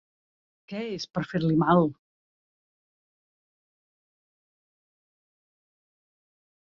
Què és per fer-li mal!